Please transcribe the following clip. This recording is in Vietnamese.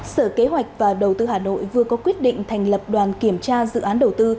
sở kế hoạch và đầu tư hà nội vừa có quyết định thành lập đoàn kiểm tra dự án đầu tư